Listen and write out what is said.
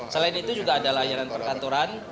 selain itu juga ada layanan perkantoran